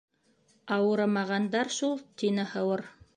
—Ауырымағандар шул, —тине һыуыр.